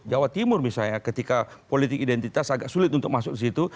jawa timur misalnya ketika politik identitas agak sulit untuk masuk ke situ